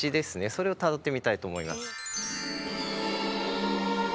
それをたどってみたいと思います。